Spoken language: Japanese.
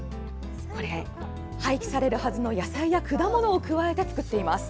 廃棄されるはずの野菜や果物を加えて作っています。